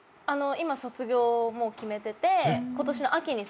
今卒業もう決めてて。